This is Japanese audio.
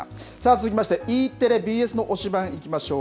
続いて、Ｅテレ、ＢＳの推しバン！いきましょう。